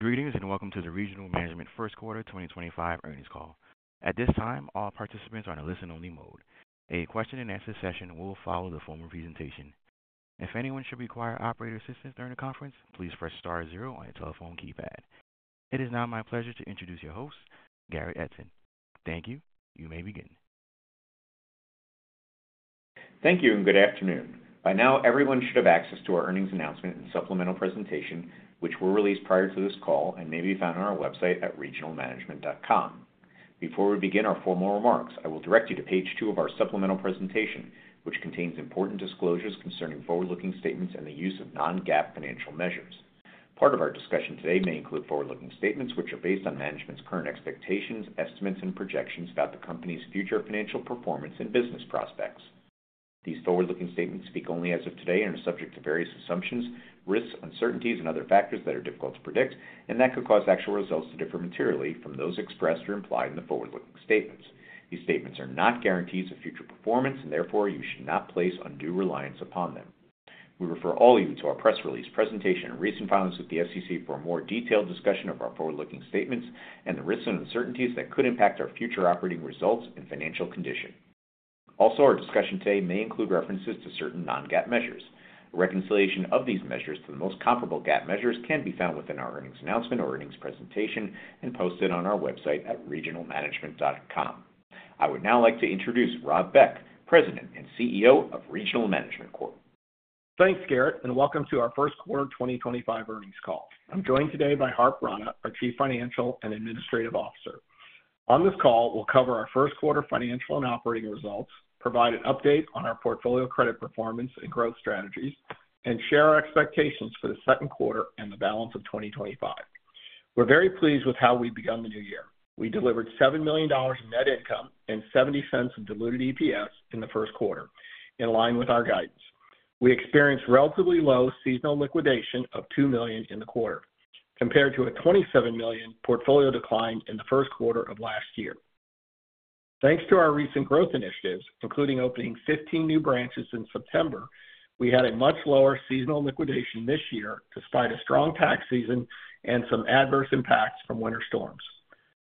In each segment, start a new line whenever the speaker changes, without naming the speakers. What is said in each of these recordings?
Greetings and welcome to the Regional Management First Quarter 2025 earnings call. At this time, all participants are in a listen-only mode. A question-and-answer session will follow the formal presentation. If anyone should require operator assistance during the conference, please press star zero on your telephone keypad. It is now my pleasure to introduce your host, Garrett Edson. Thank you. You may begin.
Thank you and good afternoon. By now, everyone should have access to our earnings announcement and supplemental presentation, which were released prior to this call and may be found on our website at regionalmanagement.com. Before we begin our formal remarks, I will direct you to page two of our supplemental presentation, which contains important disclosures concerning forward-looking statements and the use of non-GAAP financial measures. Part of our discussion today may include forward-looking statements, which are based on management's current expectations, estimates, and projections about the company's future financial performance and business prospects. These forward-looking statements speak only as of today and are subject to various assumptions, risks, uncertainties, and other factors that are difficult to predict, and that could cause actual results to differ materially from those expressed or implied in the forward-looking statements. These statements are not guarantees of future performance, and therefore, you should not place undue reliance upon them. We refer all of you to our press release, presentation, and recent filings with the SEC for a more detailed discussion of our forward-looking statements and the risks and uncertainties that could impact our future operating results and financial condition. Also, our discussion today may include references to certain non-GAAP measures. A reconciliation of these measures to the most comparable GAAP measures can be found within our earnings announcement or earnings presentation and posted on our website at regionalmanagement.com. I would now like to introduce Rob Beck, President and CEO of Regional Management.
Thanks, Garrett, and welcome to our First Quarter 2025 earnings call. I'm joined today by Harp Rana, our Chief Financial and Administrative Officer. On this call, we'll cover our first quarter financial and operating results, provide an update on our portfolio credit performance and growth strategies, and share our expectations for the second quarter and the balance of 2025. We're very pleased with how we began the new year. We delivered $7 million in net income and $0.70 in diluted EPS in the first quarter, in line with our guidance. We experienced relatively low seasonal liquidation of $2 million in the quarter, compared to a $27 million portfolio decline in the first quarter of last year. Thanks to our recent growth initiatives, including opening 15 new branches in September, we had a much lower seasonal liquidation this year despite a strong tax season and some adverse impacts from winter storms.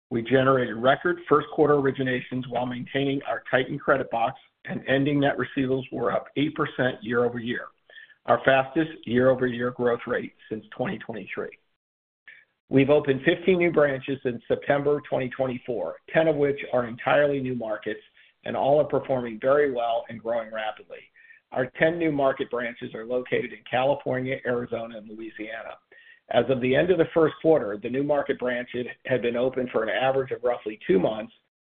We generated record first quarter originations while maintaining our tightened credit box, and ending net receivables were up 8% year-over-year, our fastest year-over-year growth rate since 2023. We have opened 15 new branches in September 2024, 10 of which are entirely new markets, and all are performing very well and growing rapidly. Our 10 new market branches are located in California, Arizona, and Louisiana. As of the end of the first quarter, the new market branches had been open for an average of roughly two months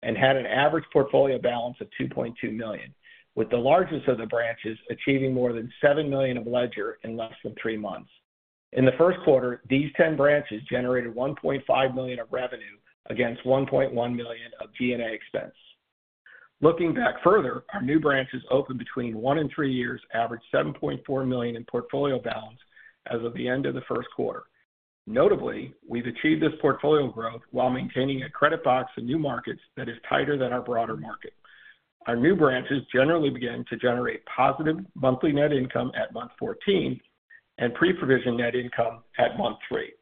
and had an average portfolio balance of $2.2 million, with the largest of the branches achieving more than $7 million of ledger in less than three months. In the first quarter, these 10 branches generated $1.5 million of revenue against $1.1 million of G&A expense. Looking back further, our new branches opened between one and three years, averaged $7.4 million in portfolio balance as of the end of the first quarter. Notably, we've achieved this portfolio growth while maintaining a credit box in new markets that is tighter than our broader market. Our new branches generally begin to generate positive monthly net income at month 14 and pre-provision net income at month three.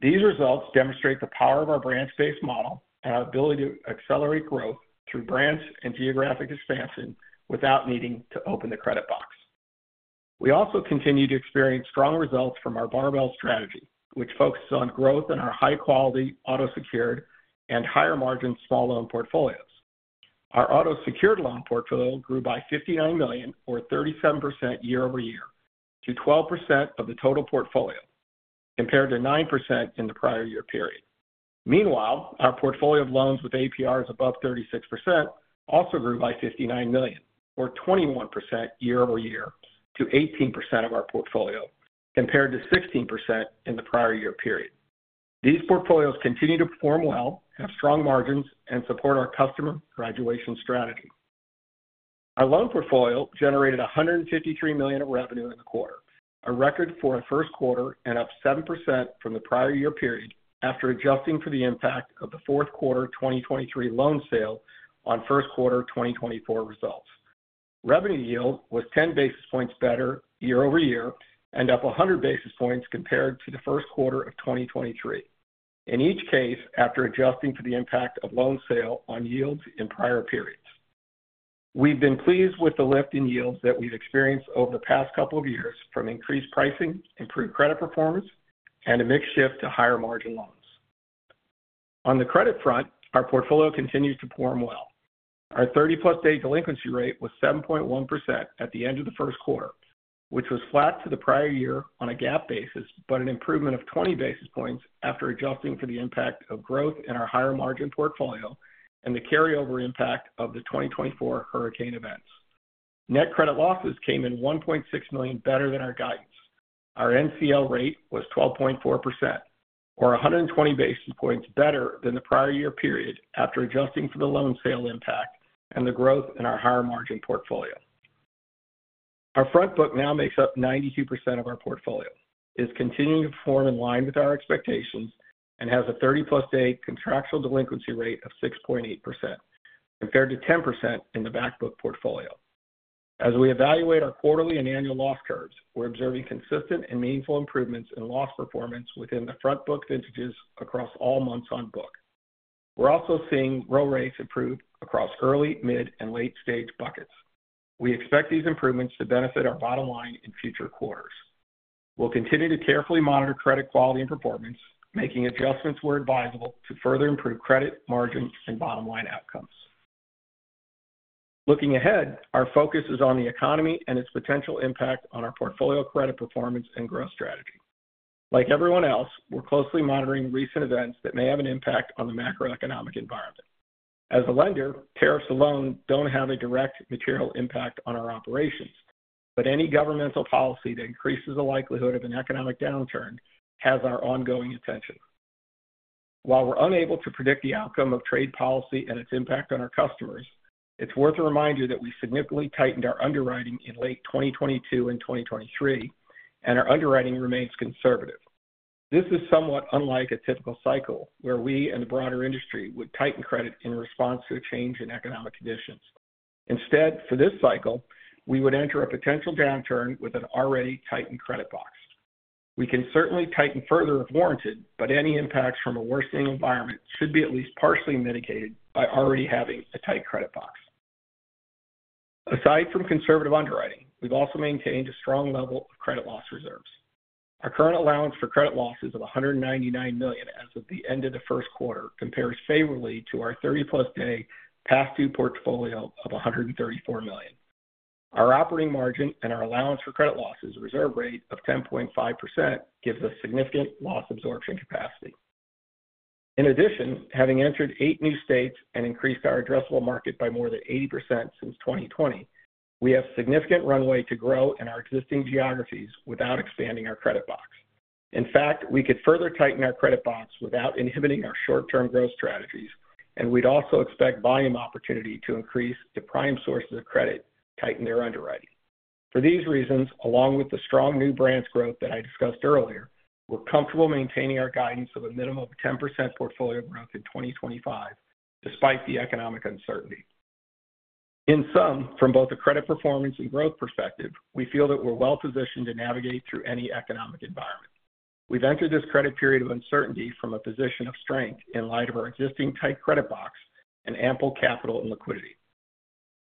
These results demonstrate the power of our branch-based model and our ability to accelerate growth through branch and geographic expansion without needing to open the credit box. We also continue to experience strong results from our barbell strategy, which focuses on growth in our high-quality, auto-secured, and higher-margin small loan portfolios. Our auto-secured loan portfolio grew by $59 million, or 37% year-over-year, to 12% of the total portfolio, compared to 9% in the prior year period. Meanwhile, our portfolio of loans with APRs above 36% also grew by $59 million, or 21% year-over-year, to 18% of our portfolio, compared to 16% in the prior year period. These portfolios continue to perform well, have strong margins, and support our customer graduation strategy. Our loan portfolio generated $153 million of revenue in the quarter, a record for a first quarter and up 7% from the prior year period after adjusting for the impact of the fourth quarter 2023 loan sale on first quarter 2024 results. Revenue yield was 10 basis points better year-over-year and up 100 basis points compared to the first quarter of 2023, in each case after adjusting for the impact of loan sale on yields in prior periods. We've been pleased with the lift in yields that we've experienced over the past couple of years from increased pricing, improved credit performance, and a mix shift to higher-margin loans. On the credit front, our portfolio continues to perform well. Our 30-plus-day delinquency rate was 7.1% at the end of the first quarter, which was flat to the prior year on a GAAP basis, but an improvement of 20 basis points after adjusting for the impact of growth in our higher-margin portfolio and the carryover impact of the 2024 hurricane events. Net credit losses came in $1.6 million better than our guidance. Our NCL rate was 12.4%, or 120 basis points better than the prior year period after adjusting for the loan sale impact and the growth in our higher-margin portfolio. Our front book now makes up 92% of our portfolio, is continuing to perform in line with our expectations, and has a 30-plus-day contractual delinquency rate of 6.8%, compared to 10% in the back book portfolio. As we evaluate our quarterly and annual loss curves, we're observing consistent and meaningful improvements in loss performance within the front book vintages across all months on book. We're also seeing roll rates improve across early, mid, and late-stage buckets. We expect these improvements to benefit our bottom line in future quarters. We'll continue to carefully monitor credit quality and performance, making adjustments where advisable to further improve credit, margin, and bottom line outcomes. Looking ahead, our focus is on the economy and its potential impact on our portfolio credit performance and growth strategy. Like everyone else, we're closely monitoring recent events that may have an impact on the macroeconomic environment. As a lender, tariffs alone do not have a direct material impact on our operations, but any governmental policy that increases the likelihood of an economic downturn has our ongoing attention. While we are unable to predict the outcome of trade policy and its impact on our customers, it is worth a reminder that we significantly tightened our underwriting in late 2022 and 2023, and our underwriting remains conservative. This is somewhat unlike a typical cycle where we and the broader industry would tighten credit in response to a change in economic conditions. Instead, for this cycle, we would enter a potential downturn with an already tightened credit box. We can certainly tighten further if warranted, but any impacts from a worsening environment should be at least partially mitigated by already having a tight credit box. Aside from conservative underwriting, we have also maintained a strong level of credit loss reserves. Our current allowance for credit losses of $199 million as of the end of the first quarter compares favorably to our 30-plus-day past due portfolio of $134 million. Our operating margin and our allowance for credit losses reserve rate of 10.5% gives us significant loss absorption capacity. In addition, having entered eight new states and increased our addressable market by more than 80% since 2020, we have significant runway to grow in our existing geographies without expanding our credit box. In fact, we could further tighten our credit box without inhibiting our short-term growth strategies, and we'd also expect volume opportunity to increase to prime sources of credit to tighten their underwriting. For these reasons, along with the strong new branch growth that I discussed earlier, we're comfortable maintaining our guidance of a minimum of 10% portfolio growth in 2025 despite the economic uncertainty. In sum, from both a credit performance and growth perspective, we feel that we're well-positioned to navigate through any economic environment. We've entered this credit period of uncertainty from a position of strength in light of our existing tight credit box and ample capital and liquidity.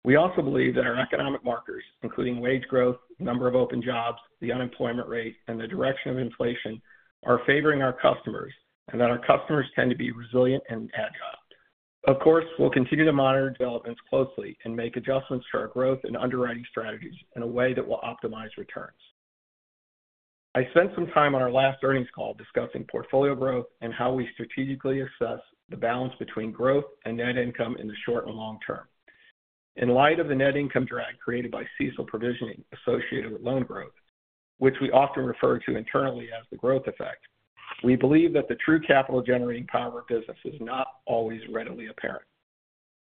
We also believe that our economic markers, including wage growth, number of open jobs, the unemployment rate, and the direction of inflation, are favoring our customers and that our customers tend to be resilient and agile. Of course, we'll continue to monitor developments closely and make adjustments to our growth and underwriting strategies in a way that will optimize returns. I spent some time on our last earnings call discussing portfolio growth and how we strategically assess the balance between growth and net income in the short and long term. In light of the net income drag created by CECL provisioning associated with loan growth, which we often refer to internally as the growth effect, we believe that the true capital-generating power of business is not always readily apparent.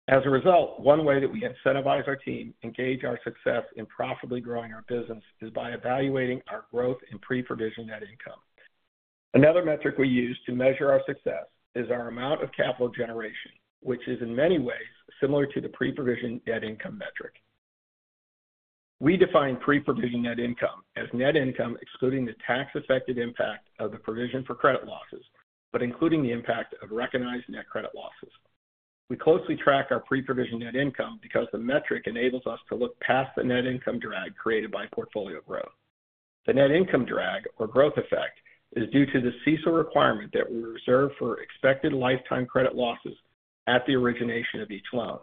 As a result, one way that we incentivize our team to engage our success in profitably growing our business is by evaluating our growth and pre-provision net income. Another metric we use to measure our success is our amount of capital generation, which is in many ways similar to the pre-provision net income metric. We define pre-provision net income as net income excluding the tax-affected impact of the provision for credit losses, but including the impact of recognized net credit losses. We closely track our pre-provision net income because the metric enables us to look past the net income drag created by portfolio growth. The net income drag, or growth effect, is due to the CECL requirement that we reserve for expected lifetime credit losses at the origination of each loan,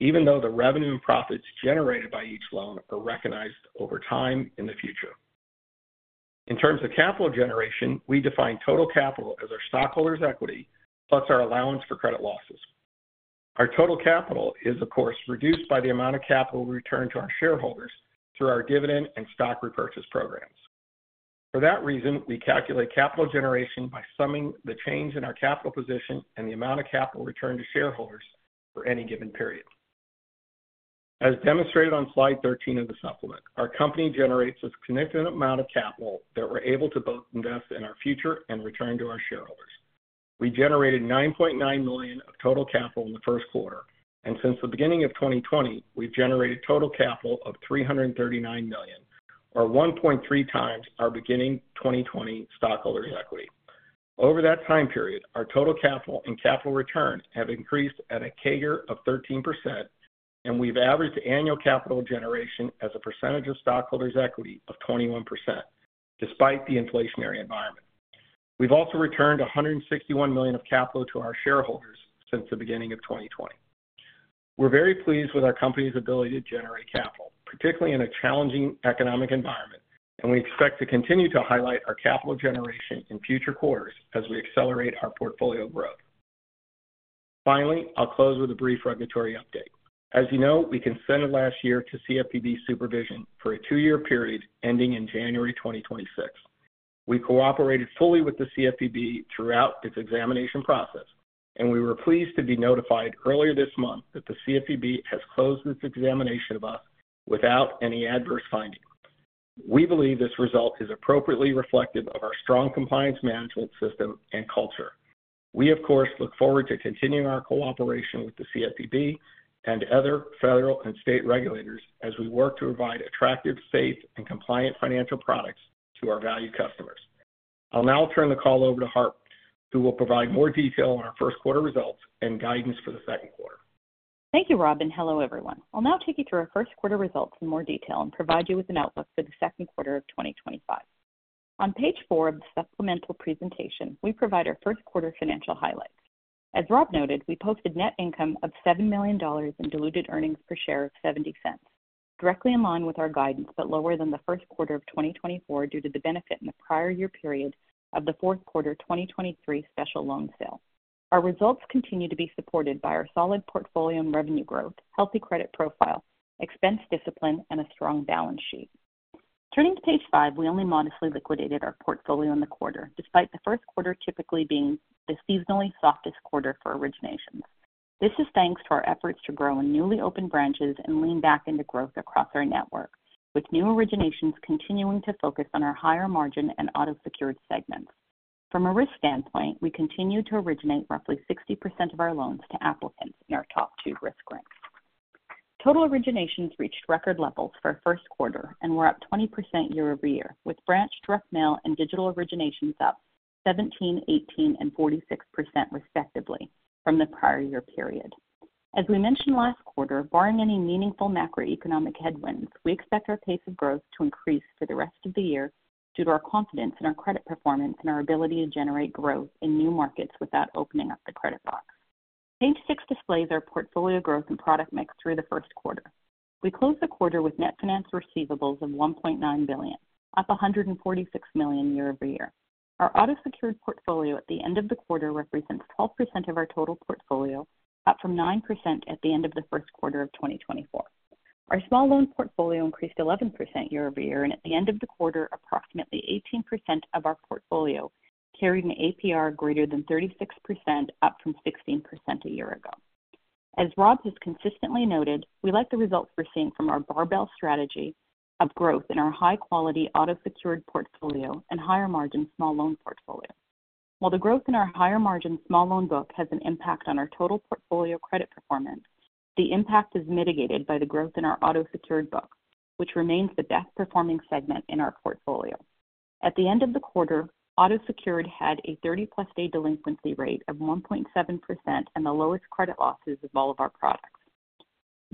even though the revenue and profits generated by each loan are recognized over time in the future. In terms of capital generation, we define total capital as our stockholders' equity plus our allowance for credit losses. Our total capital is, of course, reduced by the amount of capital returned to our shareholders through our dividend and stock repurchase programs. For that reason, we calculate capital generation by summing the change in our capital position and the amount of capital returned to shareholders for any given period. As demonstrated on slide 13 of the supplement, our company generates a significant amount of capital that we're able to both invest in our future and return to our shareholders. We generated $9.9 million of total capital in the first quarter, and since the beginning of 2020, we've generated total capital of $339 million, or 1.3 times our beginning 2020 stockholders' equity. Over that time period, our total capital and capital return have increased at a CAGR of 13%, and we've averaged annual capital generation as a percentage of stockholders' equity of 21%, despite the inflationary environment. We've also returned $161 million of capital to our shareholders since the beginning of 2020. We're very pleased with our company's ability to generate capital, particularly in a challenging economic environment, and we expect to continue to highlight our capital generation in future quarters as we accelerate our portfolio growth. Finally, I'll close with a brief regulatory update. As you know, we consented last year to CFPB supervision for a two-year period ending in January 2026. We cooperated fully with the CFPB throughout its examination process, and we were pleased to be notified earlier this month that the CFPB has closed its examination of us without any adverse finding. We believe this result is appropriately reflective of our strong compliance management system and culture. We, of course, look forward to continuing our cooperation with the CFPB and other federal and state regulators as we work to provide attractive, safe, and compliant financial products to our valued customers. I'll now turn the call over to Harp, who will provide more detail on our first quarter results and guidance for the second quarter.
Thank you, Rob, and hello, everyone. I'll now take you through our first quarter results in more detail and provide you with an outlook for the second quarter of 2025. On page four of the supplemental presentation, we provide our first quarter financial highlights. As Rob noted, we posted net income of $7 million and diluted earnings per share of $0.70, directly in line with our guidance, but lower than the first quarter of 2024 due to the benefit in the prior year period of the fourth quarter 2023 special loan sale. Our results continue to be supported by our solid portfolio and revenue growth, healthy credit profile, expense discipline, and a strong balance sheet. Turning to page five, we only modestly liquidated our portfolio in the quarter, despite the first quarter typically being the seasonally softest quarter for originations. This is thanks to our efforts to grow in newly opened branches and lean back into growth across our network, with new originations continuing to focus on our higher-margin and auto-secured segments. From a risk standpoint, we continue to originate roughly 60% of our loans to applicants in our top two risk ranks. Total originations reached record levels for our first quarter and were up 20% year-over-year, with branch direct mail and digital originations up 17%, 18%, and 46% respectively from the prior year period. As we mentioned last quarter, barring any meaningful macroeconomic headwinds, we expect our pace of growth to increase for the rest of the year due to our confidence in our credit performance and our ability to generate growth in new markets without opening up the credit box. Page six displays our portfolio growth and product mix through the first quarter. We closed the quarter with net finance receivables of $1.9 billion, up $146 million year-over-year. Our auto-secured portfolio at the end of the quarter represents 12% of our total portfolio, up from 9% at the end of the first quarter of 2024. Our small loan portfolio increased 11% year-over-year, and at the end of the quarter, approximately 18% of our portfolio carried an APR greater than 36%, up from 16% a year ago. As Rob has consistently noted, we like the results we're seeing from our barbell strategy of growth in our high-quality auto-secured portfolio and higher-margin small loan portfolio. While the growth in our higher-margin small loan book has an impact on our total portfolio credit performance, the impact is mitigated by the growth in our auto-secured book, which remains the best-performing segment in our portfolio. At the end of the quarter, auto-secured had a 30-plus-day delinquency rate of 1.7% and the lowest credit losses of all of our products.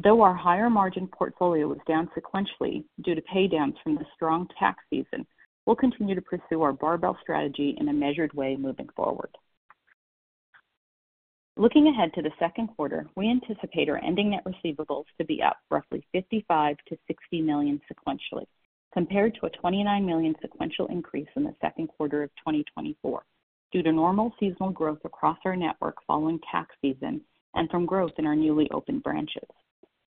Though our higher-margin portfolio was down sequentially due to paydowns from the strong tax season, we'll continue to pursue our barbell strategy in a measured way moving forward. Looking ahead to the second quarter, we anticipate our ending net receivables to be up roughly $55 million-$60 million sequentially, compared to a $29 million sequential increase in the second quarter of 2024 due to normal seasonal growth across our network following tax season and from growth in our newly opened branches.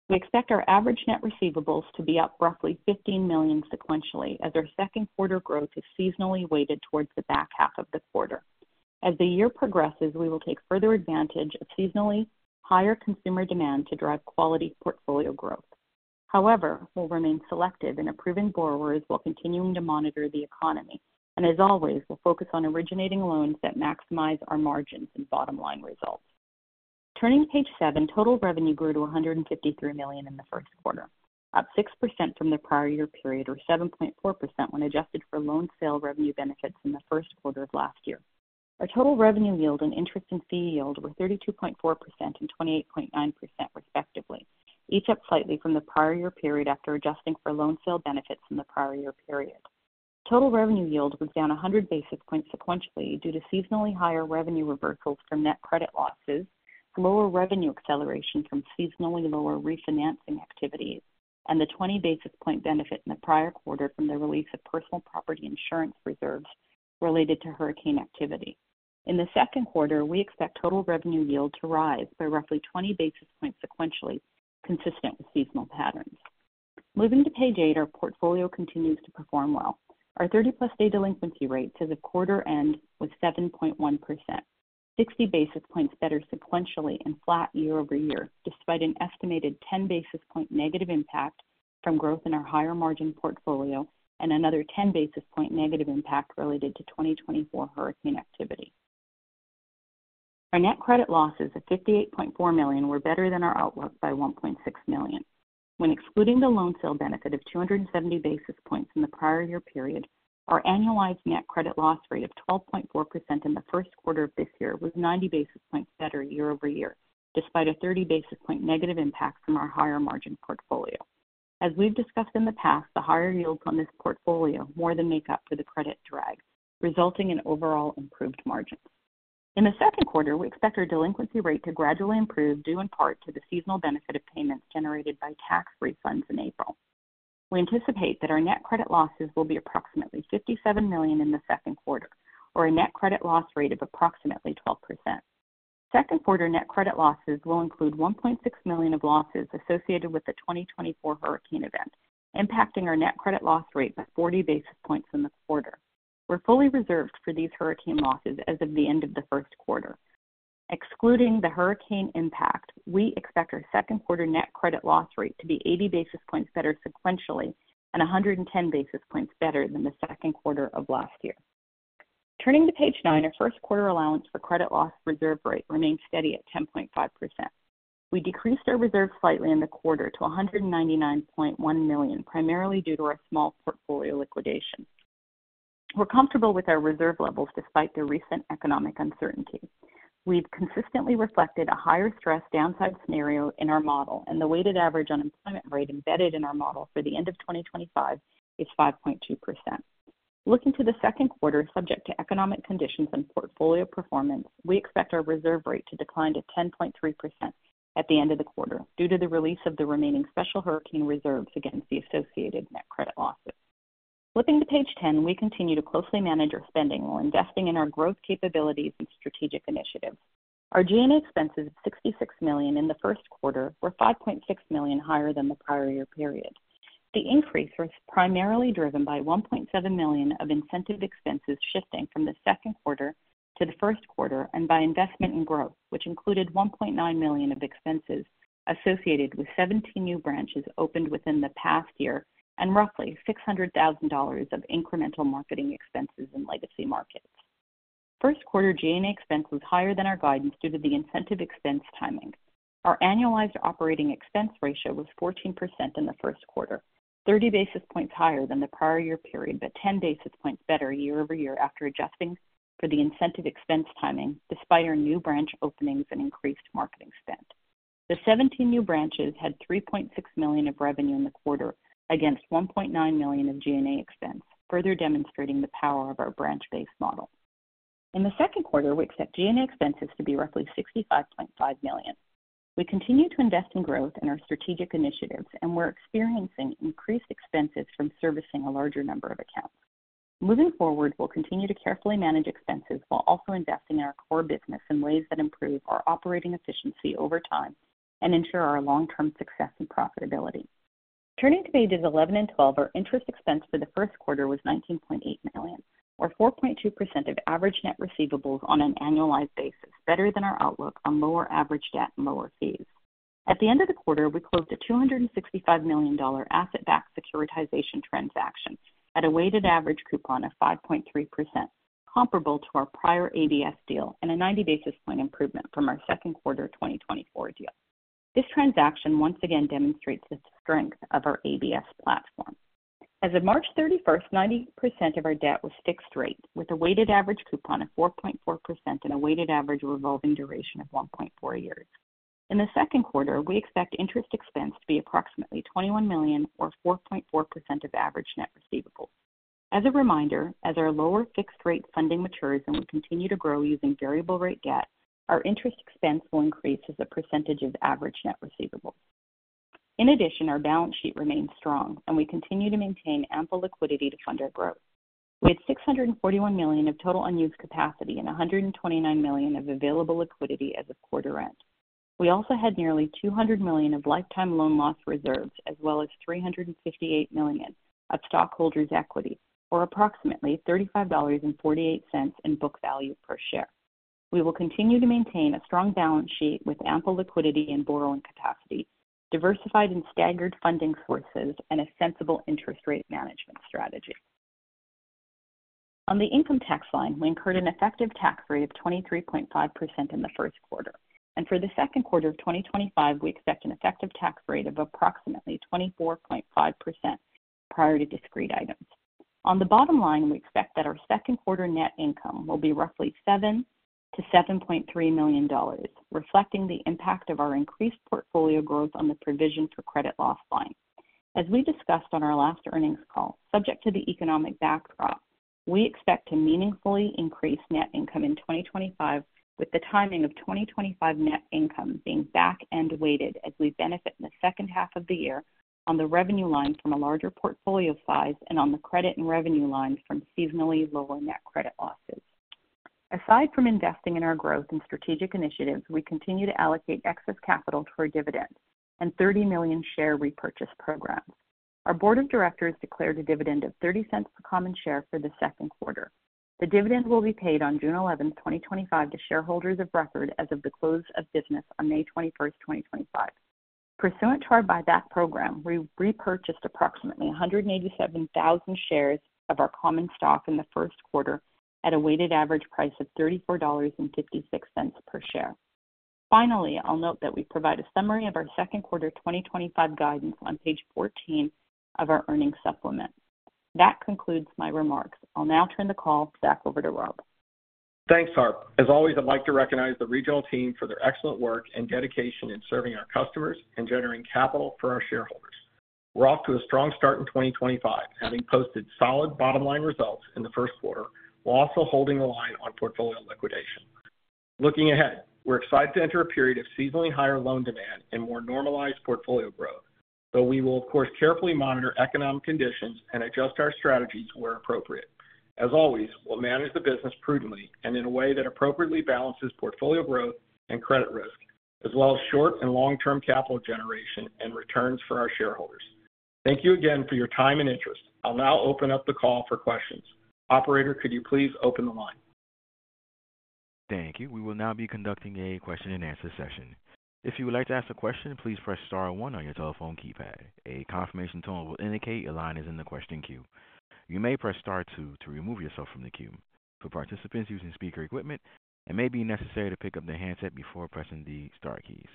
We expect our average net receivables to be up roughly $15 million sequentially as our second quarter growth is seasonally weighted towards the back half of the quarter. As the year progresses, we will take further advantage of seasonally higher consumer demand to drive quality portfolio growth. However, we'll remain selective in approving borrowers while continuing to monitor the economy, and as always, we'll focus on originating loans that maximize our margins and bottom line results. Turning to page seven, total revenue grew to $153 million in the first quarter, up 6% from the prior year period or 7.4% when adjusted for loan sale revenue benefits in the first quarter of last year. Our total revenue yield and interest and fee yield were 32.4% and 28.9% respectively, each up slightly from the prior year period after adjusting for loan sale benefits in the prior year period. The total revenue yield was down 100 basis points sequentially due to seasonally higher revenue reversals from net credit losses, lower revenue acceleration from seasonally lower refinancing activities, and the 20 basis point benefit in the prior quarter from the release of personal property insurance reserves related to hurricane activity. In the second quarter, we expect total revenue yield to rise by roughly 20 basis points sequentially, consistent with seasonal patterns. Moving to page eight, our portfolio continues to perform well. Our 30-plus-day delinquency rate to the quarter end was 7.1%, 60 basis points better sequentially and flat year-over-year, despite an estimated 10 basis point negative impact from growth in our higher-margin portfolio and another 10 basis point negative impact related to 2024 hurricane activity. Our net credit losses of $58.4 million were better than our outlook by $1.6 million. When excluding the loan sale benefit of 270 basis points in the prior year period, our annualized net credit loss rate of 12.4% in the first quarter of this year was 90 basis points better year-over-year, despite a 30 basis point negative impact from our higher-margin portfolio. As we've discussed in the past, the higher yields on this portfolio more than make up for the credit drag, resulting in overall improved margins. In the second quarter, we expect our delinquency rate to gradually improve due in part to the seasonal benefit of payments generated by tax refunds in April. We anticipate that our net credit losses will be approximately $57 million in the second quarter, or a net credit loss rate of approximately 12%. Second quarter net credit losses will include $1.6 million of losses associated with the 2024 hurricane event, impacting our net credit loss rate by 40 basis points in the quarter. We're fully reserved for these hurricane losses as of the end of the first quarter. Excluding the hurricane impact, we expect our second quarter net credit loss rate to be 80 basis points better sequentially and 110 basis points better than the second quarter of last year. Turning to page nine, our first quarter allowance for credit loss reserve rate remained steady at 10.5%. We decreased our reserve slightly in the quarter to $199.1 million, primarily due to our small portfolio liquidation. We're comfortable with our reserve levels despite the recent economic uncertainty. We've consistently reflected a higher stress downside scenario in our model, and the weighted average unemployment rate embedded in our model for the end of 2025 is 5.2%. Looking to the second quarter, subject to economic conditions and portfolio performance, we expect our reserve rate to decline to 10.3% at the end of the quarter due to the release of the remaining special hurricane reserves against the associated net credit losses. Flipping to page ten, we continue to closely manage our spending while investing in our growth capabilities and strategic initiatives. Our G&A expenses of $66 million in the first quarter were $5.6 million higher than the prior year period. The increase was primarily driven by $1.7 million of incentive expenses shifting from the second quarter to the first quarter and by investment in growth, which included $1.9 million of expenses associated with 17 new branches opened within the past year and roughly $600,000 of incremental marketing expenses in legacy markets. First quarter G&A expense was higher than our guidance due to the incentive expense timing. Our annualized operating expense ratio was 14% in the first quarter, 30 basis points higher than the prior year period, but 10 basis points better year-over-year after adjusting for the incentive expense timing, despite our new branch openings and increased marketing spend. The 17 new branches had $3.6 million of revenue in the quarter against $1.9 million of G&A expense, further demonstrating the power of our branch-based model. In the second quarter, we expect G&A expenses to be roughly $65.5 million. We continue to invest in growth and our strategic initiatives, and we're experiencing increased expenses from servicing a larger number of accounts. Moving forward, we'll continue to carefully manage expenses while also investing in our core business in ways that improve our operating efficiency over time and ensure our long-term success and profitability. Turning to pages 11 and 12, our interest expense for the first quarter was $19.8 million, or 4.2% of average net receivables on an annualized basis, better than our outlook on lower average debt and lower fees. At the end of the quarter, we closed a $265 million asset-backed securitization transaction at a weighted average coupon of 5.3%, comparable to our prior ABS deal and a 90 basis point improvement from our second quarter 2024 deal. This transaction once again demonstrates the strength of our ABS platform. As of March 31, 90% of our debt was fixed rate with a weighted average coupon of 4.4% and a weighted average revolving duration of 1.4 years. In the second quarter, we expect interest expense to be approximately $21 million, or 4.4% of average net receivables. As a reminder, as our lower fixed-rate funding matures and we continue to grow using variable-rate debt, our interest expense will increase as a percentage of average net receivables. In addition, our balance sheet remains strong, and we continue to maintain ample liquidity to fund our growth. We had $641 million of total unused capacity and $129 million of available liquidity as of quarter end. We also had nearly $200 million of lifetime loan loss reserves, as well as $358 million of stockholders' equity, or approximately $35.48 in book value per share. We will continue to maintain a strong balance sheet with ample liquidity and borrowing capacity, diversified and staggered funding sources, and a sensible interest rate management strategy. On the income tax line, we incurred an effective tax rate of 23.5% in the first quarter, and for the second quarter of 2025, we expect an effective tax rate of approximately 24.5% for priority discrete items. On the bottom line, we expect that our second quarter net income will be roughly $7 million-$7.3 million, reflecting the impact of our increased portfolio growth on the provision for credit loss line. As we discussed on our last earnings call, subject to the economic backdrop, we expect to meaningfully increase net income in 2025, with the timing of 2025 net income being back-end weighted as we benefit in the second half of the year on the revenue line from a larger portfolio size and on the credit and revenue line from seasonally lower net credit losses. Aside from investing in our growth and strategic initiatives, we continue to allocate excess capital toward dividends and $30 million share repurchase programs. Our board of directors declared a dividend of $0.30 per common share for the second quarter. The dividend will be paid on June 11, 2025, to shareholders of record as of the close of business on May 21, 2025. Pursuant to our buyback program, we repurchased approximately 187,000 shares of our common stock in the first quarter at a weighted average price of $34.56 per share. Finally, I'll note that we provide a summary of our second quarter 2025 guidance on page 14 of our earnings supplement. That concludes my remarks. I'll now turn the call back over to Rob.
Thanks, Harp. As always, I'd like to recognize the regional team for their excellent work and dedication in serving our customers and generating capital for our shareholders. We're off to a strong start in 2025, having posted solid bottom line results in the first quarter, while also holding the line on portfolio liquidation. Looking ahead, we're excited to enter a period of seasonally higher loan demand and more normalized portfolio growth, though we will, of course, carefully monitor economic conditions and adjust our strategies where appropriate. As always, we'll manage the business prudently and in a way that appropriately balances portfolio growth and credit risk, as well as short and long-term capital generation and returns for our shareholders. Thank you again for your time and interest. I'll now open up the call for questions. Operator, could you please open the line?
Thank you. We will now be conducting a question-and-answer session. If you would like to ask a question, please press star one on your telephone keypad. A confirmation tone will indicate your line is in the question queue. You may press star two to remove yourself from the queue. For participants using speaker equipment, it may be necessary to pick up the handset before pressing the star keys.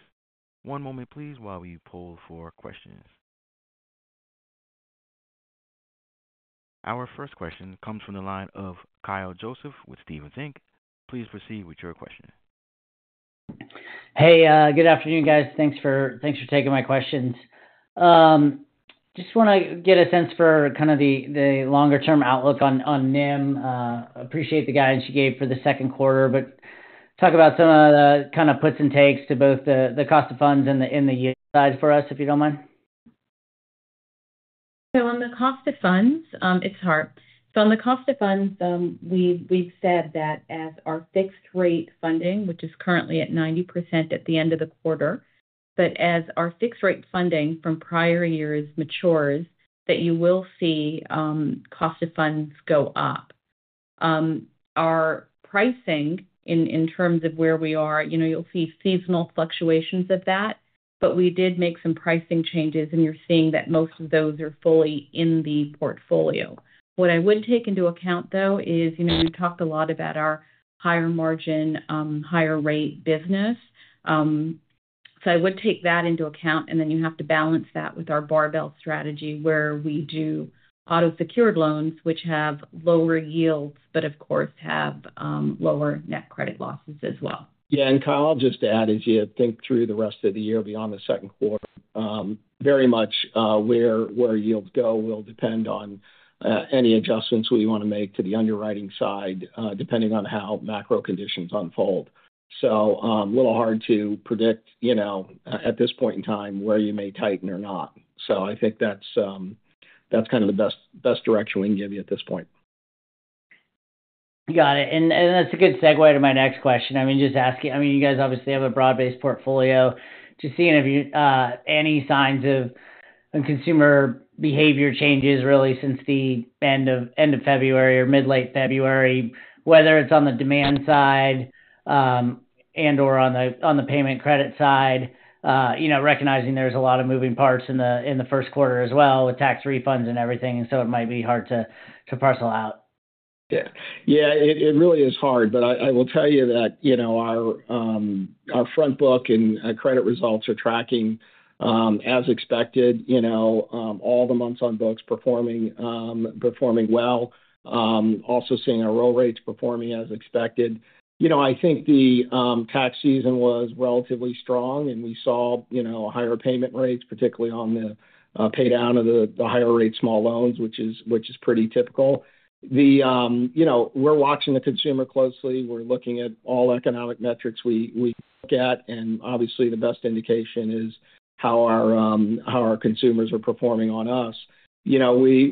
One moment, please, while we pull for questions. Our first question comes from the line of Kyle Joseph with Stephens Inc. Please proceed with your question.
Hey, good afternoon, guys. Thanks for taking my questions. Just want to get a sense for kind of the longer-term outlook on NIM. Appreciate the guidance you gave for the second quarter, but talk about some of the kind of puts and takes to both the cost of funds and the yield side for us, if you don't mind.
On the cost of funds, it's hard. On the cost of funds, we've said that as our fixed-rate funding, which is currently at 90% at the end of the quarter, that as our fixed-rate funding from prior years matures, you will see cost of funds go up. Our pricing, in terms of where we are, you'll see seasonal fluctuations of that, but we did make some pricing changes, and you're seeing that most of those are fully in the portfolio. What I would take into account, though, is you talked a lot about our higher margin, higher-rate business. I would take that into account, and then you have to balance that with our barbell strategy, where we do auto-secured loans, which have lower yields, but, of course, have lower net credit losses as well.
Yeah, and Kyle, I'll just add, as you think through the rest of the year beyond the second quarter, very much where yields go will depend on any adjustments we want to make to the underwriting side, depending on how macro conditions unfold. A little hard to predict at this point in time where you may tighten or not. I think that's kind of the best direction we can give you at this point.
Got it. That's a good segue to my next question. I mean, just asking, I mean, you guys obviously have a broad-based portfolio. Just seeing if any signs of consumer behavior changes really since the end of February or mid-late February, whether it's on the demand side and/or on the payment credit side, recognizing there's a lot of moving parts in the first quarter as well with tax refunds and everything, so it might be hard to parcel out.
Yeah. Yeah, it really is hard, but I will tell you that our front book and credit results are tracking as expected, all the months on books performing well. Also seeing our roll rates performing as expected. I think the tax season was relatively strong, and we saw higher payment rates, particularly on the paydown of the higher-rate small loans, which is pretty typical. We're watching the consumer closely. We're looking at all economic metrics we look at, and obviously, the best indication is how our consumers are performing on us. We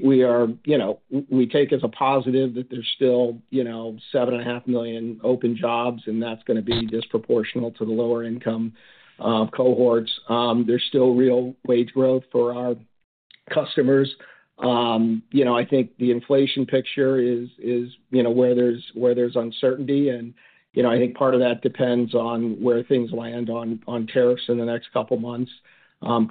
take as a positive that there's still 7.5 million open jobs, and that's going to be disproportional to the lower-income cohorts. There's still real wage growth for our customers. I think the inflation picture is where there's uncertainty, and I think part of that depends on where things land on tariffs in the next couple of months.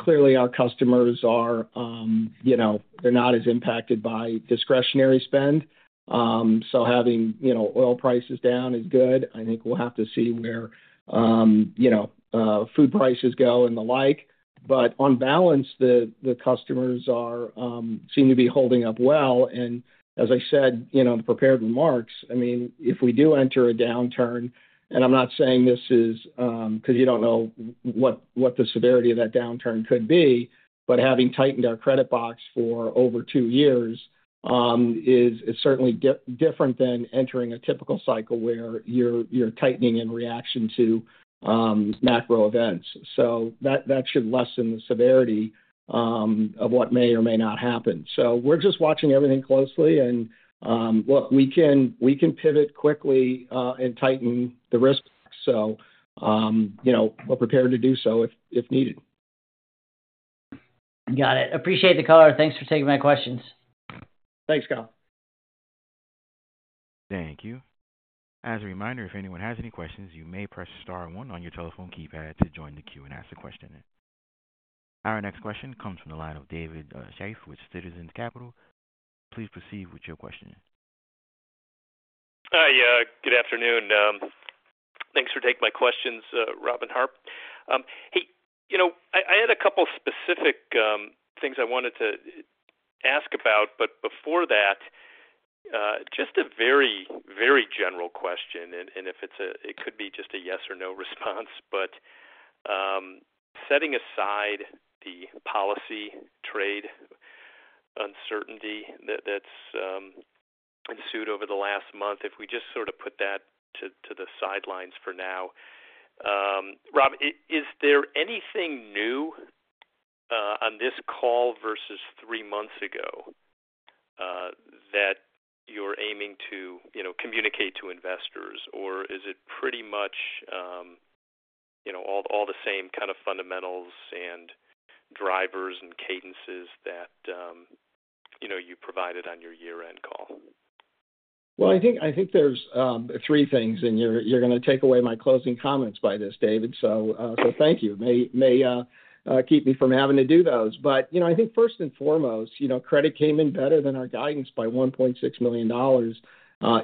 Clearly, our customers, they're not as impacted by discretionary spend, so having oil prices down is good. I think we'll have to see where food prices go and the like, but on balance, the customers seem to be holding up well. As I said, the prepared remarks, I mean, if we do enter a downturn, and I'm not saying this is because you don't know what the severity of that downturn could be, but having tightened our credit box for over two years is certainly different than entering a typical cycle where you're tightening in reaction to macro events. That should lessen the severity of what may or may not happen. We're just watching everything closely, and look, we can pivot quickly and tighten the risk, so we're prepared to do so if needed.
Got it. Appreciate the call, and thanks for taking my questions.
Thanks, Kyle.
Thank you. As a reminder, if anyone has any questions, you may press star one on your telephone keypad to join the queue and ask the question. Our next question comes from the line of David Scharf with Citizens Capital. Please proceed with your question.
Hi, good afternoon. Thanks for taking my questions, Rob and Harp. Hey, I had a couple of specific things I wanted to ask about, but before that, just a very, very general question, and it could be just a yes or no response, but setting aside the policy trade uncertainty that's ensued over the last month, if we just sort of put that to the sidelines for now, Rob, is there anything new on this call versus three months ago that you're aiming to communicate to investors, or is it pretty much all the same kind of fundamentals and drivers and cadences that you provided on your year-end call?
I think there's three things, and you're going to take away my closing comments by this, David, so thank you. It may keep me from having to do those. I think first and foremost, credit came in better than our guidance by $1.6 million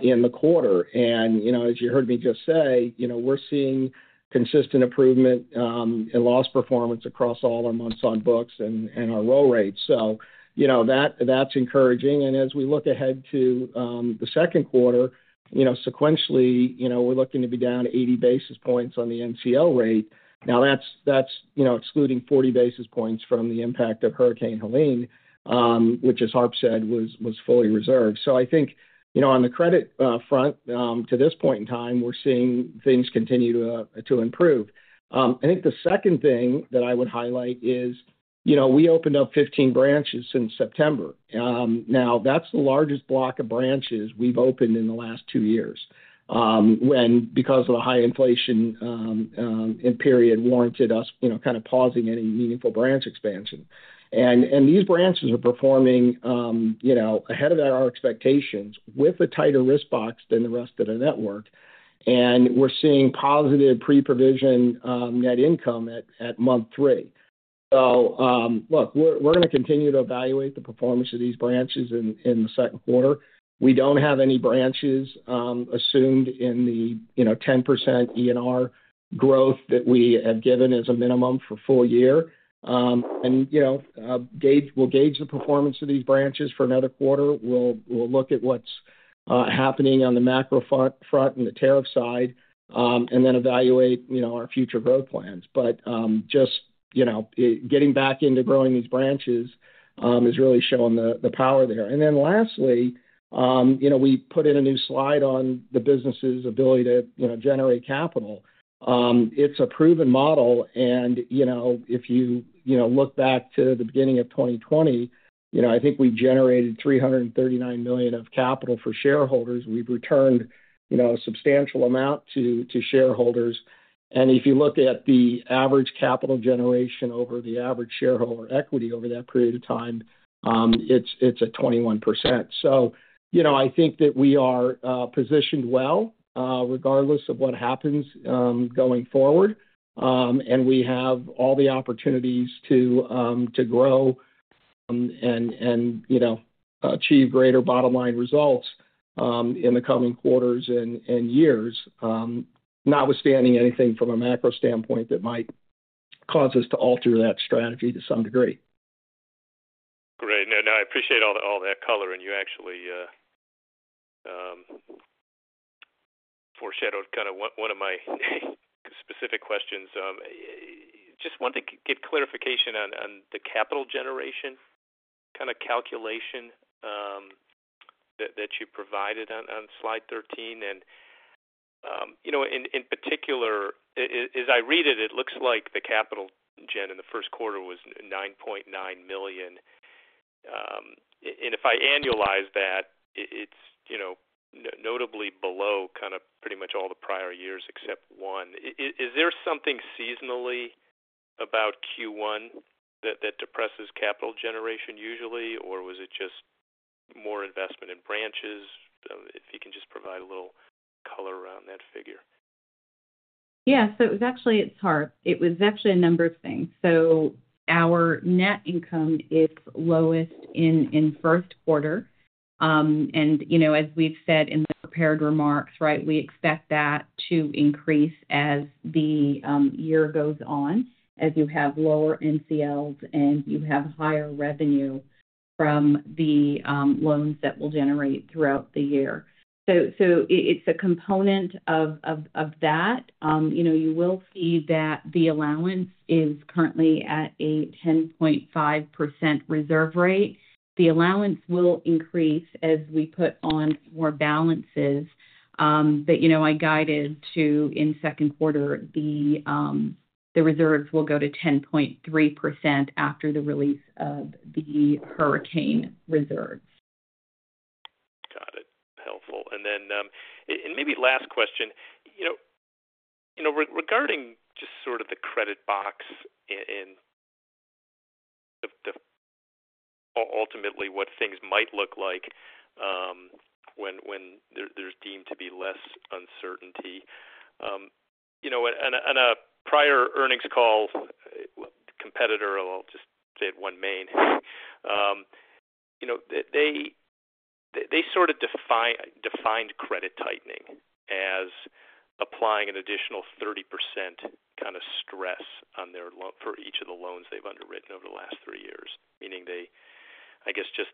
in the quarter. As you heard me just say, we're seeing consistent improvement in loss performance across all our months on books and our roll rates. That is encouraging. As we look ahead to the second quarter, sequentially, we're looking to be down 80 basis points on the NCO rate. That is excluding 40 basis points from the impact of Hurricane Helene, which, as Harp said, was fully reserved. I think on the credit front, to this point in time, we're seeing things continue to improve. The second thing that I would highlight is we opened up 15 branches since September. Now, that's the largest block of branches we've opened in the last two years because the high inflation period warranted us kind of pausing any meaningful branch expansion. These branches are performing ahead of our expectations with a tighter risk box than the rest of the network, and we're seeing positive pre-provision net income at month three. Look, we're going to continue to evaluate the performance of these branches in the second quarter. We don't have any branches assumed in the 10% ENR growth that we have given as a minimum for full year. We'll gauge the performance of these branches for another quarter. We'll look at what's happening on the macro front and the tariff side and then evaluate our future growth plans. Just getting back into growing these branches is really showing the power there. Lastly, we put in a new slide on the business's ability to generate capital. It's a proven model, and if you look back to the beginning of 2020, I think we generated $339 million of capital for shareholders. We've returned a substantial amount to shareholders. If you look at the average capital generation over the average shareholder equity over that period of time, it's at 21%. I think that we are positioned well regardless of what happens going forward, and we have all the opportunities to grow and achieve greater bottom line results in the coming quarters and years, notwithstanding anything from a macro standpoint that might cause us to alter that strategy to some degree.
Great. No, no, I appreciate all that color, and you actually foreshadowed kind of one of my specific questions. Just wanted to get clarification on the capital generation kind of calculation that you provided on slide 13. In particular, as I read it, it looks like the capital gen in the first quarter was $9.9 million. If I annualize that, it's notably below kind of pretty much all the prior years except one. Is there something seasonally about Q1 that depresses capital generation usually, or was it just more investment in branches? If you can just provide a little color around that figure.
Yeah, it was actually a number of things. Our net income is lowest in first quarter. As we've said in the prepared remarks, right, we expect that to increase as the year goes on, as you have lower NCLs and you have higher revenue from the loans that will generate throughout the year. It's a component of that. You will see that the allowance is currently at a 10.5% reserve rate. The allowance will increase as we put on more balances. I guided to, in second quarter, the reserves will go to 10.3% after the release of the hurricane reserves.
Got it. Helpful. Maybe last question, regarding just sort of the credit box and ultimately what things might look like when there's deemed to be less uncertainty. On a prior earnings call, competitor, I'll just say OneMain. They sort of defined credit tightening as applying an additional 30% kind of stress for each of the loans they've underwritten over the last three years, meaning they, I guess, just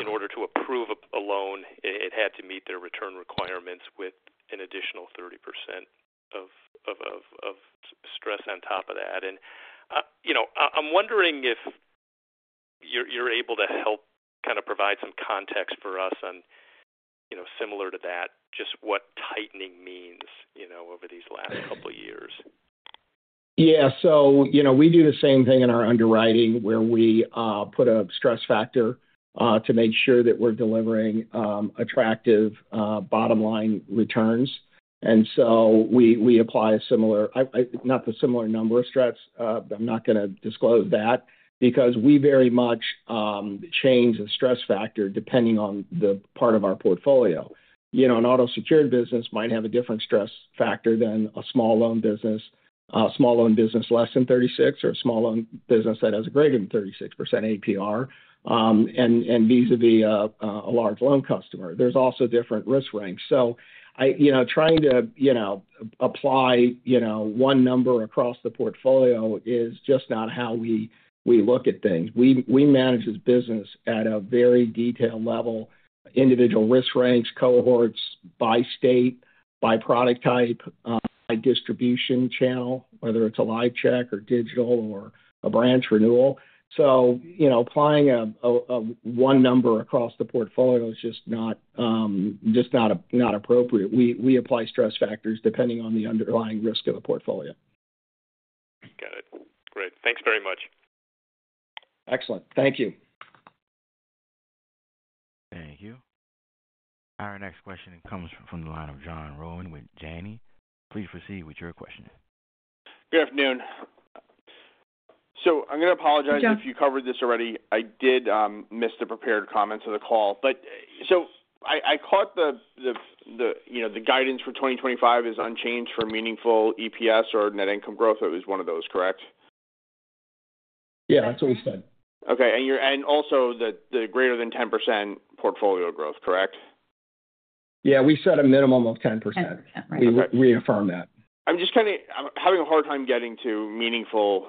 in order to approve a loan, it had to meet their return requirements with an additional 30% of stress on top of that. I'm wondering if you're able to help kind of provide some context for us on similar to that, just what tightening means over these last couple of years.
Yeah. We do the same thing in our underwriting where we put a stress factor to make sure that we're delivering attractive bottom line returns. We apply a similar, not the similar number of stress, but I'm not going to disclose that because we very much change the stress factor depending on the part of our portfolio. An auto-secured business might have a different stress factor than a small loan business, a small loan business less than 36, or a small loan business that has a greater than 36% APR and vis-à-vis a large loan customer. There's also different risk ranks. Trying to apply one number across the portfolio is just not how we look at things. We manage this business at a very detailed level, individual risk ranks, cohorts, by state, by product type, by distribution channel, whether it's a live check or digital or a branch renewal. Applying one number across the portfolio is just not appropriate. We apply stress factors depending on the underlying risk of the portfolio.
Got it. Great. Thanks very much.
Excellent. Thank you.
Thank you. Our next question comes from the line of John Rowan with Janney. Please proceed with your question.
Good afternoon. I'm going to apologize if you covered this already. I did miss the prepared comments of the call. I caught the guidance for 2025 is unchanged for meaningful EPS or net income growth. It was one of those, correct?
Yeah, that's what we said.
Okay. Also the greater than 10% portfolio growth, correct?
Yeah, we said a minimum of 10%.
We reaffirmed that. I'm just kind of having a hard time getting to meaningful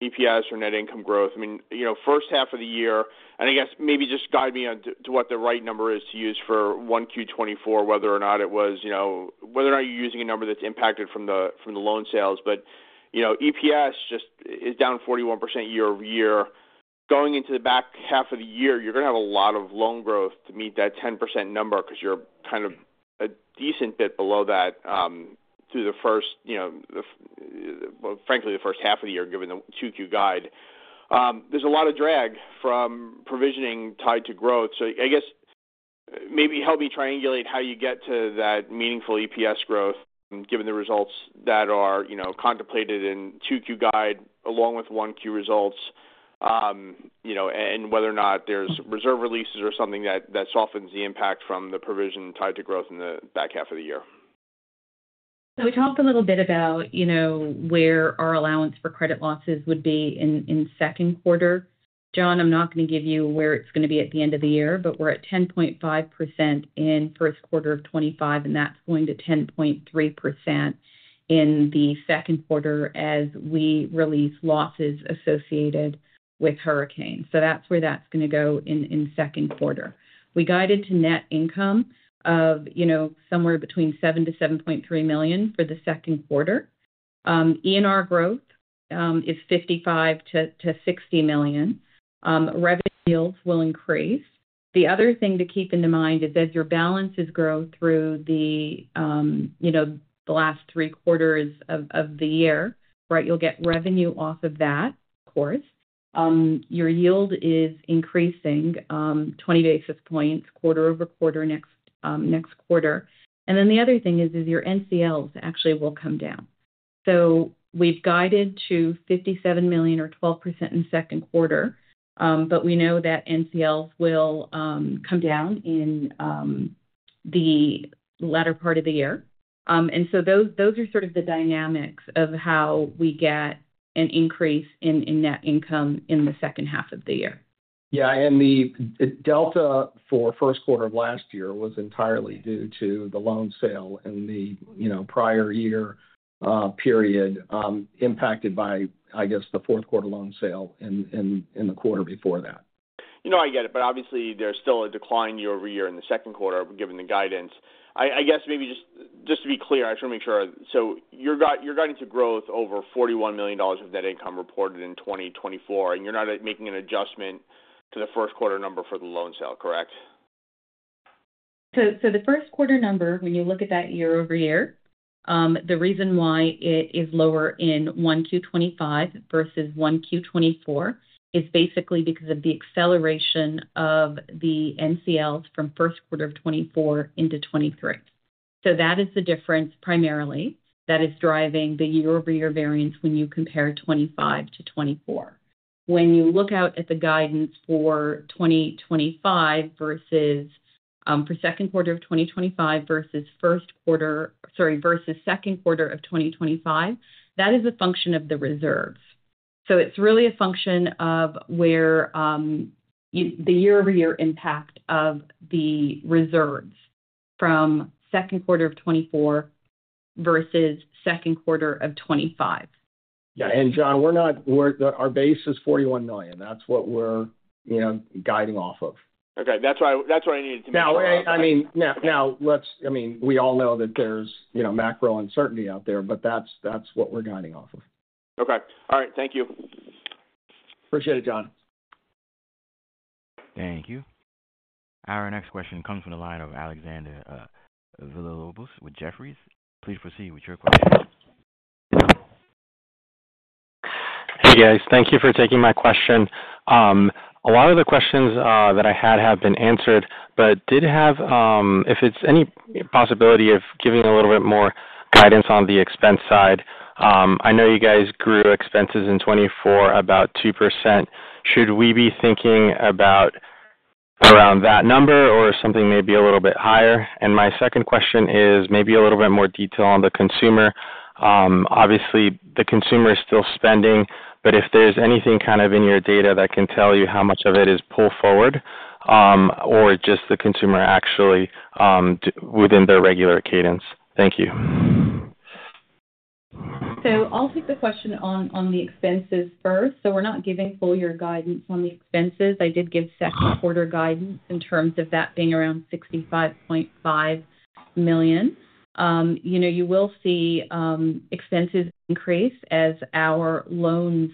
EPS or net income growth. I mean, first half of the year, and I guess maybe just guide me on to what the right number is to use for 1Q 2024, whether or not it was whether or not you're using a number that's impacted from the loan sales. But EPS just is down 41% year-over-year. Going into the back half of the year, you're going to have a lot of loan growth to meet that 10% number because you're kind of a decent bit below that through the first, frankly, the first half of the year given the 2Q guide. There's a lot of drag from provisioning tied to growth. I guess maybe help me triangulate how you get to that meaningful EPS growth given the results that are contemplated in 2Q guide along with 1Q results and whether or not there's reserve releases or something that softens the impact from the provision tied to growth in the back half of the year.
We talked a little bit about where our allowance for credit losses would be in second quarter. John, I'm not going to give you where it's going to be at the end of the year, but we're at 10.5% in first quarter of 2025, and that's going to 10.3% in the second quarter as we release losses associated with hurricanes. That's where that's going to go in second quarter. We guided to net income of somewhere between $7 million-$7.3 million for the second quarter. ENR growth is $55 million-$60 million. Revenue yields will increase. The other thing to keep in mind is as your balances grow through the last three quarters of the year, right, you'll get revenue off of that, of course. Your yield is increasing 20 basis points quarter over quarter next quarter. The other thing is your NCLs actually will come down. We've guided to $57 million or 12% in second quarter, but we know that NCLs will come down in the latter part of the year. Those are sort of the dynamics of how we get an increase in net income in the second half of the year.
Yeah. The delta for first quarter of last year was entirely due to the loan sale in the prior year period impacted by, I guess, the fourth quarter loan sale in the quarter before that.
I get it. Obviously, there's still a decline year-over-year in the second quarter given the guidance. I guess maybe just to be clear, I just want to make sure. You're guiding to growth over $41 million of net income reported in 2024, and you're not making an adjustment to the first quarter number for the loan sale, correct?
The first quarter number, when you look at that year-over-year, the reason why it is lower in Q1 2025 versus Q1 2024 is basically because of the acceleration of the NCLs from first quarter of 2024 into 2023. That is the difference primarily that is driving the year-over-year variance when you compare 2025 to 2024. When you look out at the guidance for 2025 versus for second quarter of 2025 versus first quarter, sorry, versus second quarter of 2025, that is a function of the reserves. It's really a function of where the year-over-year impact of the reserves from second quarter of 2024 versus second quarter of 2025.
Yeah. And John, our base is $41 million. That's what we're guiding off of.
Okay. That's why I needed to make that.
I mean, now, I mean, we all know that there's macro uncertainty out there, but that's what we're guiding off of.
Okay. All right. Thank you.
Appreciate it, John.
Thank you. Our next question comes from the line of Alexander Villalobos with Jefferies. Please proceed with your question.
Hey, guys. Thank you for taking my question. A lot of the questions that I had have been answered, but did have if it's any possibility of giving a little bit more guidance on the expense side. I know you guys grew expenses in 2024 about 2%. Should we be thinking about around that number or something maybe a little bit higher? My second question is maybe a little bit more detail on the consumer. Obviously, the consumer is still spending, but if there's anything kind of in your data that can tell you how much of it is pulled forward or just the consumer actually within their regular cadence. Thank you.
I'll take the question on the expenses first. We're not giving full year guidance on the expenses. I did give second quarter guidance in terms of that being around $65.5 million. You will see expenses increase as our loans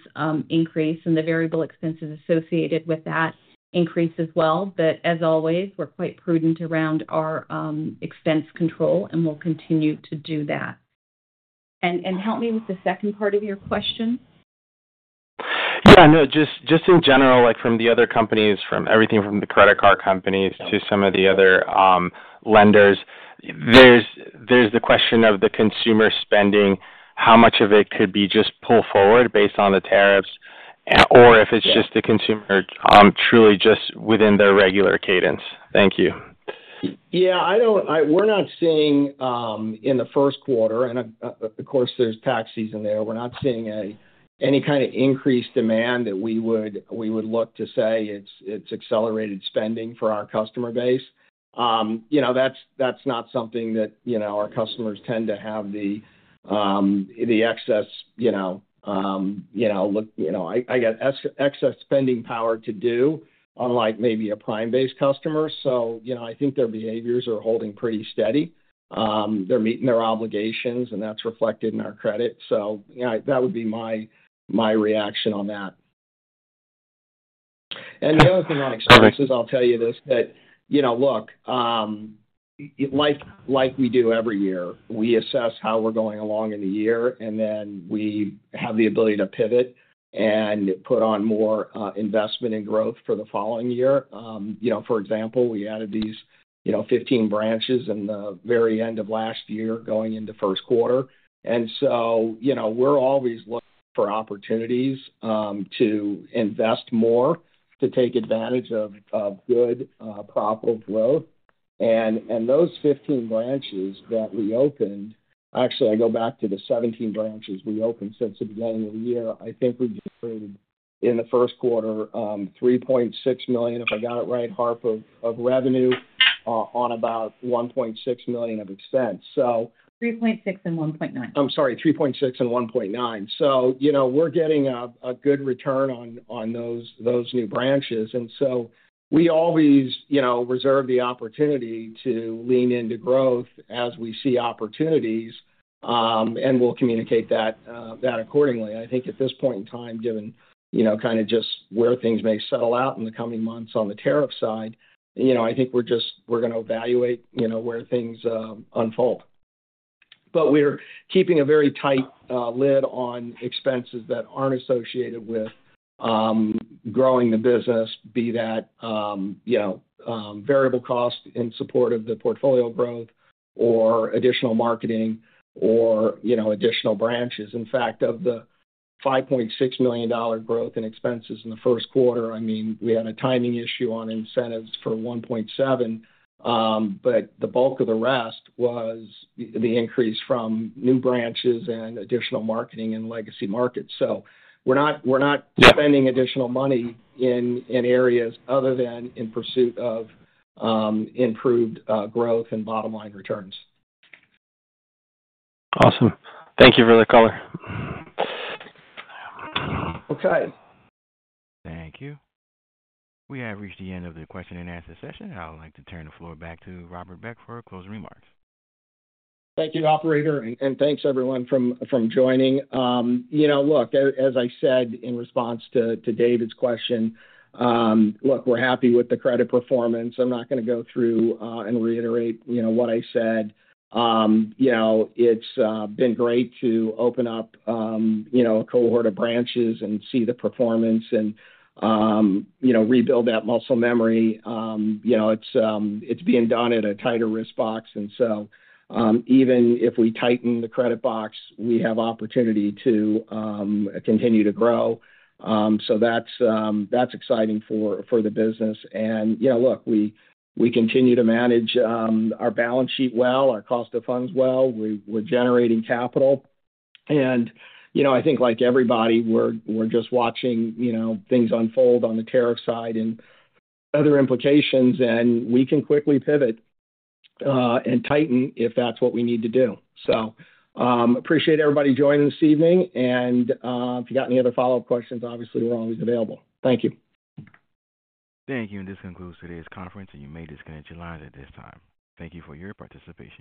increase and the variable expenses associated with that increase as well. As always, we're quite prudent around our expense control, and we'll continue to do that. Help me with the second part of your question.
Yeah. No, just in general, from the other companies, from everything from the credit card companies to some of the other lenders, there's the question of the consumer spending, how much of it could be just pulled forward based on the tariffs or if it's just the consumer truly just within their regular cadence. Thank you.
Yeah. We're not seeing in the first quarter, and of course, there's tax season there. We're not seeing any kind of increased demand that we would look to say it's accelerated spending for our customer base. That's not something that our customers tend to have the excess look. I got excess spending power to do, unlike maybe a prime-based customer. I think their behaviors are holding pretty steady. They're meeting their obligations, and that's reflected in our credit. That would be my reaction on that. The other thing on expenses, I'll tell you this, that look, like we do every year, we assess how we're going along in the year, and then we have the ability to pivot and put on more investment and growth for the following year. For example, we added these 15 branches in the very end of last year going into first quarter. We are always looking for opportunities to invest more to take advantage of good profitable growth. Those 15 branches that we opened, actually, I go back to the 17 branches we opened since the beginning of the year. I think we generated in the first quarter $3.6 million, if I got it right, Harp, of revenue on about $1.6 million of expense. So $3.6 million and $1.9 million. I'm sorry, $3.6 million and $1.9 million. We are getting a good return on those new branches. We always reserve the opportunity to lean into growth as we see opportunities, and we'll communicate that accordingly. I think at this point in time, given kind of just where things may settle out in the coming months on the tariff side, I think we're going to evaluate where things unfold. We're keeping a very tight lid on expenses that aren't associated with growing the business, be that variable cost in support of the portfolio growth or additional marketing or additional branches. In fact, of the $5.6 million growth in expenses in the first quarter, we had a timing issue on incentives for $1.7 million, but the bulk of the rest was the increase from new branches and additional marketing and legacy markets. We're not spending additional money in areas other than in pursuit of improved growth and bottom line returns.
Awesome. Thank you for the color.
Okay.
Thank you. We have reached the end of the question and answer session. I'd like to turn the floor back to Rob Beck for closing remarks.
Thank you, Operator, and thanks everyone for joining. Look, as I said in response to David's question, look, we're happy with the credit performance. I'm not going to go through and reiterate what I said. It's been great to open up a cohort of branches and see the performance and rebuild that muscle memory. It's being done at a tighter risk box. Even if we tighten the credit box, we have opportunity to continue to grow. That's exciting for the business. We continue to manage our balance sheet well, our cost of funds well. We're generating capital. I think like everybody, we're just watching things unfold on the tariff side and other implications, and we can quickly pivot and tighten if that's what we need to do. I appreciate everybody joining this evening. If you have any other follow-up questions, obviously, we're always available. Thank you.
Thank you. This concludes today's conference, and you may disconnect your lines at this time. Thank you for your participation.